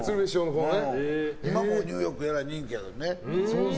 今はニューヨークえらい人気やけどね。